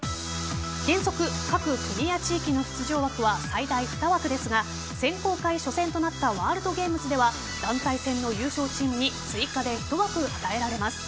原則各、国や地域の出場枠は最大２枠ですが選考会初戦となったワールドゲームズでは団体戦の優勝チームに追加で１枠与えられます。